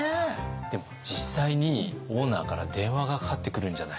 でも実際にオーナーから電話がかかってくるんじゃないか。